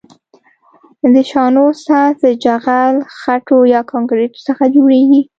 د شانو سطح د جغل، خښتو یا کانکریټو څخه جوړیږي